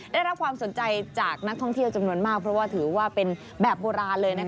ได้รับความสนใจจากนักท่องเที่ยวจำนวนมากเพราะว่าถือว่าเป็นแบบโบราณเลย